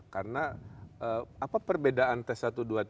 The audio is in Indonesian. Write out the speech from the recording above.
karena apa perbedaan tes satu dua tiga